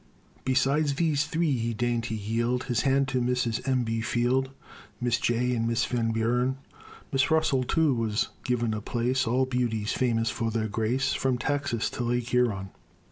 Besides these three, he deigned to yield His hand to Mrs. M. B. Field, Miss Jay and Miss Van Buren; Miss Russell, too, was given a place All beauties famous for their grace From Texas to Lake Huron.